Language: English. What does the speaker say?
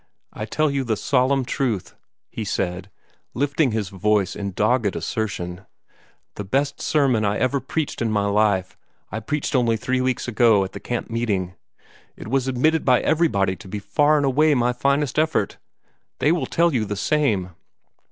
"I tell you the solemn truth," he said, lifting his voice in dogged assertion: "the best sermon I ever preached in my life, I preached only three weeks ago, at the camp meeting. It was admitted by everybody to be far and away my finest effort! They will tell you the same!"